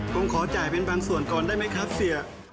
ผมขอจ่ายเป็นบางส่วนก่อนได้ไหมครับเสีย